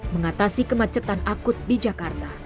mengatasi kemacetan akut di jakarta